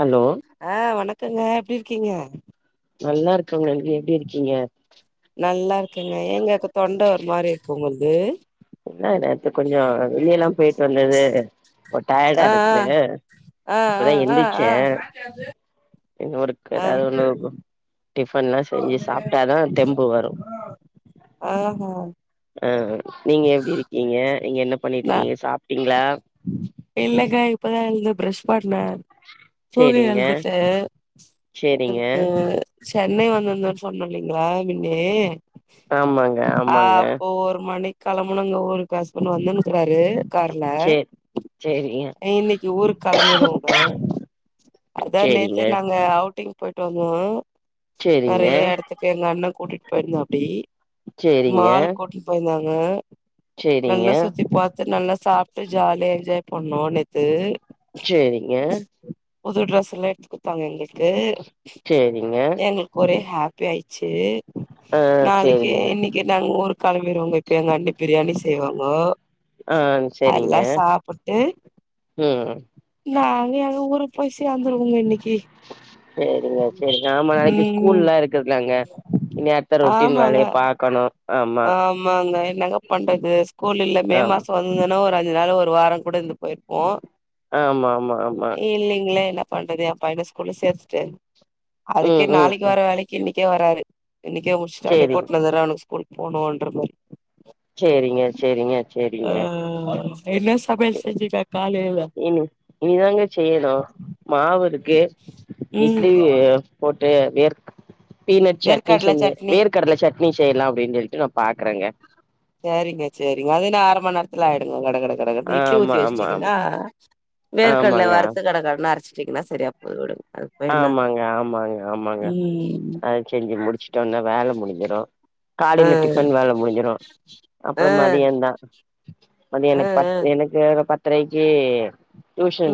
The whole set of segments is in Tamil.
ஹலோ ஆ வணக்கங்க எப்டி இருக்கீங்க நல்லா இருக்கங்க நீங்க எப்டி இருக்கீங்க நல்லா இருக்கங்க ஏங்க இப்ப தொண்ட ஒரு மாரி இருக்கு உங்கள்து என்ன நேத்து கொஞ்ச வெளிய எல்லா போயிட்டு வந்தது இப்ப டயர்டா ஆ இருக்குது ஆ ஆ இப்பதா ஆ ஆ எந்திச்சே இன்னு ஒர்க் ஆ எதாது ஒன்னு டிஃபன்லா செஞ்சு சாப்ட்டாதா தெம்பு வரு ஆ ஆஹா ஆ நீங்க எப்டி இருக்கீங்க நீங்க என்ன பண்ணிட்டு நா இருக்கீங்க சாப்ட்டீங்களா இல்லங்க இப்பதா எழுந்த பிரெஷ் பண்ண தூங்கி சேரிங்க எழுந்துட்ட சேரிங்க ம் சென்னை வந்துருந்தோன் சொன்னே இல்லைங்களா மின்னே ஆமாங்க ஆ ஆமாங்க அப்போ ஒரு மணிக் கெளம்பனுங்க ஊருக்கு ஹஸ்பண்ட் வந்துனுருக்கிறாரு கார்ல சேர் சேரிங்க இன்னைக்கு ஊருக்கு கெளம்பிடுவோங்க அதா சேரிங்க நேத்தே நாங்க அவுட்டிங் போயிட்டு வந்தோ சேரிங்க நெறைய எடத்துக்கு எங்க அண்ண கூட்டிட்டு போயிருந்தாப்புடி சேரிங்க மால் கூட்டிட் போயிருந்தாங்க நல்லா சுத் டிவி பாத்து நல்லா சாப்ட்டு ஜாலியா என்ஜாய் பண்ணோ நேத்து சேரிங்க புது ட்ரெஸ் எல்லா எடுத்து கொடுத்தாங்க எங்களுக்கு சேரிங்க எங்களுக்கு ஒரே ஹாப் ப்பி ஆயிச்சு ஆ நாளைக்கே சேரிங்க இனைக்கு என்ன அவுங்க ஊருக்கு கெளம்பிருவாங்க இப்போ எங்க அண்ணி பிரியாணி செய்வாங்கோ ஆ அதுல்லா சேரிங்க சாப்புட்டு ம் நாங்க எங்க ஊரு போய் சேந்துருவோங்க இன்னக்கி சேரிங்க சேரிங்க ஆமா நாளைக்கு ம் ஸ்கூல்லா இருக்குன்னாங்க ஆமாங்க ஆமா ஆமாங்க என்னங்க பண்றது ஸ்கூல் இல்லன் மே ஆம் மாச வந்துதுன்னா ஒரு அஞ்சு நாள் ஒரு வாரம் கூட இருந்து போயிருப்போ ஆமா ஆமா ஆமா இல்லீங்களே இல்ல பண்றது என் பையன ஸ்கூல்ல சேர்த்துட்டே அதுக்கே ம் ம் நாளைக்கு ம் வர வேலைக் இன்னைக்கே வராரு இன்னைக்ற்கே முடிச்சுட்டு அவன சேரிங்க கூட்டுனு வந்துன்னோ அவனுக்கு ஸ்கூல் போணும்ன் இருக்றாரு சேரிங்க சேரிங்க ஆ சேரிங்க என்ன சமையல் செஞ்சிங்க காலைல இனி இனிதாங்க செய்யணு மாவு இருக்கு ம் இட்லி போட்டு வேர்க் பீனட் சட்னி வேர்க்கடல செஞ்சே சட்னி வேர்கடல சட்னி செய்யலா அப்டின்னு சொல்லிட்டு நா பாக்குறேங்க சேரிங்க சேரிங்க அது என்ன அர மண்நேரத்துல ஆயிடுங்க கட கட கட கடன்னு இட்லி ஆமா ஊத்தி ஆமா ஆமா வச்சிட்டீங்கன்னா வேர்கடல ஆமாங்க வறுத்து கடகடன்னு அரச்சுட்டீங்கன்னா சரியா அதோட ஆமாங்க ஆமாங்க ஆமாங்க ம் ஆ செரிங்க இத செஞ்சு முடிச்சுட்ட வந்தா வேல முடிஞ்சிரு ஆ காலையில டிஃபன் வேல முடிஞ்சிரு ஆ அப்புற மதியந்தா மணி ஆ எனக் பத் ஆ எனக்கு பத்தரைக்கி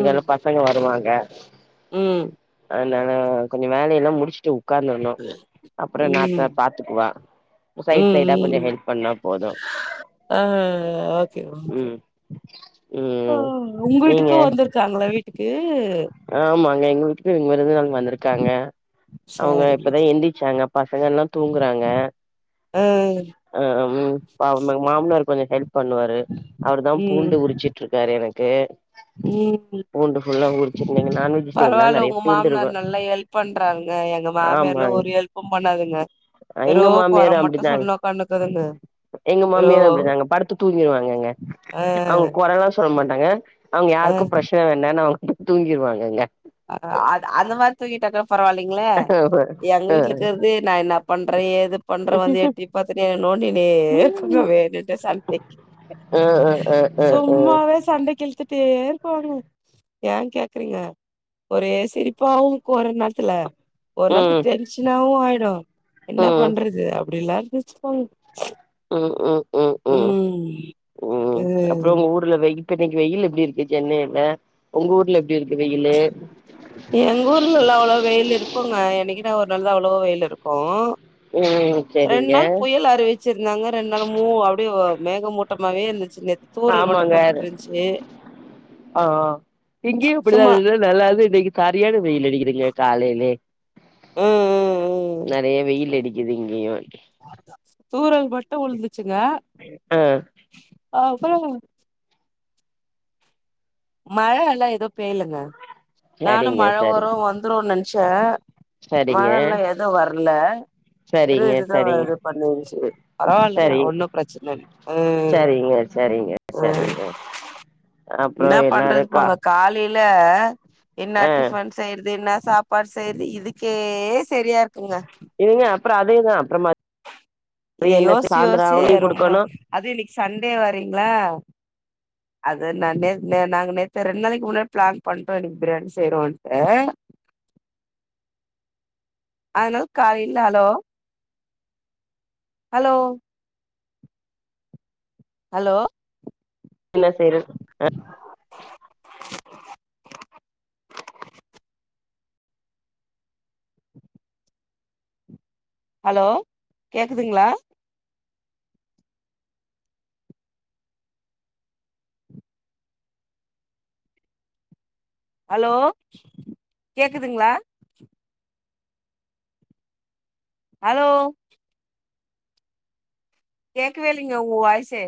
ம் பசங்க வருவாங்க ம் அதனால கொஞ்ச வேலையெல்லா முடிச்சுட்டு உக்காந்துருணு அப்புற நா பே ம் பாத் க்குவா ம் சைடு சைடா கொஞ்சோ ம் ஹெல்ப் பண்ணா போதும் ஆ ஓகே ஓகே ம் ஆ ம் உங்களுக்கு நீங்க தூக்கம் வந்து இருக்காங்களா வீட்டுக்கு ஆமாங்க எங்க வீட்டுக்கு விருந்தாளி வந்திருக்காங்க அவுங்க சரிங்க இப்பதான் சரி எந்தி ருச்சாங்க பசங்க எல்லாம் தூங்குறாங்க ம் ஆ ம் அவுங்க மாமனார் கொஞ்சோ ஹெல்ப் பண்ணுவாரு அவர தான் ம் பூண்டு உரிச்சி சிட்டு இருக்காரு எனக்கு பூண்டுபுல்லா உரி பரவாயில்ல உங்க மாமனார் நல்லா ஹெல்ப் பண்றாங்க எங்க ஆமாங்க மாமியார்லாம் ஒரு ஹெல்ப் ஒன்னும் பண்ணாதுங்க எங்க வெறும் கொர மாமியாரும் மட்டும் அப்டிதாங்க சொல்ல ஒக்காந்துனுக்குதுங்க எங்க மாமியாரும் அப்டிதாங்க படுத்து தூங்கிடுவாங்கங்க ஆ அவுங்க கொரதா சொல்ல மாட்டாங்க அவுங்க ஆ யாருக்கும் பிரஸ்ஸர் வேண்டான்னு அவங்க தூங்கிருவாங்கங்க அ அ அந்த மாரி தூங்கிட்டாக்க பரவாயில்லைங்களே எங்க வீட்லருக்கிறது நான் என்ன பண்றேன் ஏது பண்ற வந்து எட்டி பாத்துனே நோண்டினே இருக்குங்க வேணுட்டே சண்டைக்கு அஹ் அஹ் அஹ் அஹ் அஹ் சும்மாவே சண்டைக்கு இழுத்துட்டே இருப்பங்க ஏன் கேக்கறீங்க ஒரே சிரிப்பாவும் இருக்கு ஒரு நேரத்துல ஒரு ம் நேரத்துக்கு டென்ஷனாவும் ஆய்டும் என்ன ம் பண்றது அப்டில்லாம் வச்சிருப்பாங்க ம் ம் ம் ம் ம் அப்புறம் உங்க ஊர்ல வெயில் இப்ப இன்னைக்கு வெயில் எப்டி இருக்கு சென்னையில உங்க ஊர்ல எப்டி இருக்கு வெயில்லு எங்க ஊர்ல எல்லா அவ்ளோ வெயில் இருக்குங்க என்னைக்குன்னா ஒரு நாள்தா அவ்ளோ வெயில் இருக்கு ம் ரெண் சரிங்க நாள் புயல் அறிவிச்சு ச்சிருந்தாங்க ரெண்டு நாள் மூ அப்டியே மேகமூட்டமாவே இருந்துச்சு நேத் ஆமாங்க ஆ ஆ இங்கேயு அப்டித்தா சும்மா இருக்கு நல்லாது இன்னைக்கு சர்யான வெயில் அடிக்குதுங்க காலையிலே ம் ம் ம் நெறைய வெயில் அடிக் குது இங்கய தூறல் மட்டு உழுந்துச்சுங்க ஆ அ அப்றோ மழை எல்லாம் தும் பெய்யலுங்க நானும் சரிங்க மழ சரி வரு வந்துரும் நினச்சேன் சரிங்க மழைல்லா எதூம் வர்ல வெறும் சரிங்க இதுதான் சரிங்க இது பண்ணன்னுச்சேரி பரவாயில்லைங்க சரி ஒன்னும் பிரச்சனை இல்ல ம் சரிங்க சரிங்க ம் சரிங்க அப்றோ எல்லாரும்க்கா காலைல என்ன டிஃபன் செய்யறது என்ன சாப் ப்பாடு செய்றது இதுக்கே சரியா இருக்குங்க இதுங்க அப்புறம் அதே தான் அப்புறம்மா இத என்னாச்சி யோசிச்சு சாந்தரம் யோசிச்சு அவளும் டீ ரொம்ப குடுக்கணும் அது இன்னைக்கு சண்டே வரீங்களா ஆ அது நான் நே நேத் நாங்க நேத்து ரெண்டு நாளைக்கு முன்னாடி பிளான் பண்ணிட்டோ இன்னைக்கு பிரியாணி செய்யறோம்ன்ட்டு அதனால் காலைல ஹலோ ஹலோ ஹலோ என்ன செய்றது அ ஹலோ கேக்குதுங்களா ஹலோ கேக்குதுங்களா ஹலோ கேக்கவே இல்லைங்க உங்க வாய்சு